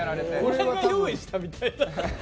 自分が用意したみたいな。